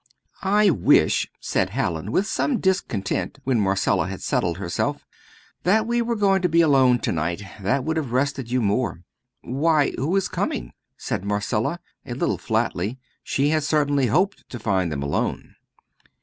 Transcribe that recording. "I wish," said Hallin, with some discontent, when Marcella had settled herself, "that we were going to be alone to night; that would have rested you more." "Why, who is coming?" said Marcella, a little flatly. She had certainly hoped to find them alone.